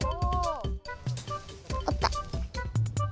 あった。